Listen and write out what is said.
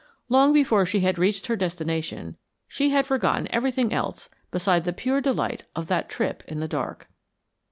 Long before she had reached her destination she had forgotten everything else beside the pure delight of that trip in the dark.